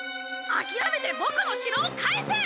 諦めてボクの城を返せ！